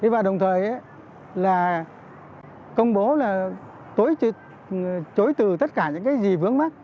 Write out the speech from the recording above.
và đồng thời là công bố là tối từ tất cả những cái gì vướng mắt